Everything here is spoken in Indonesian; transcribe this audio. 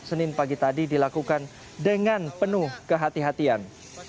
senin pagi tadi dilakukan dengan penuh kehatian